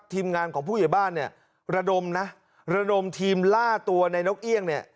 ทีมงานของผู้ใหญ่บ้านเนี่ยระดมนะระดมทีมล่าตัวในนกเอี่ยงเนี่ย